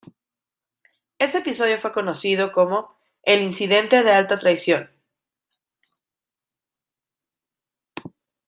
Ese episodio fue conocido como "El Incidente de Alta Traición".